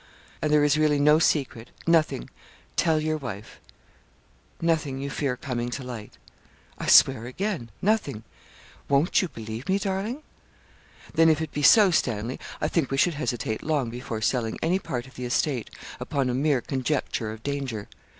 'And there is really no secret nothing tell your wife nothing you fear coming to light?' 'I swear again, nothing. Won't you believe me, darling?' 'Then, if it be so, Stanley, I think we should hesitate long before selling any part of the estate, upon a mere conjecture of danger.